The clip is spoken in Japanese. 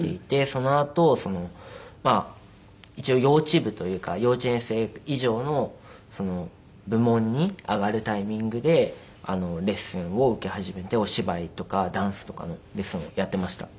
そのあと一応幼稚部というか幼稚園生以上の部門に上がるタイミングでレッスンを受け始めてお芝居とかダンスとかのレッスンをやっていました。